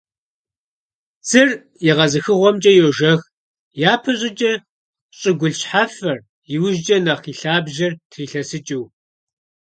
Псыр егъэзыхыгъуэмкӀэ йожэх, япэ щӀыкӀэ щӀыгулъ шхьэфэр, иужькӀэ нэхъ и лъабжьэр трилъэсыкӀыу.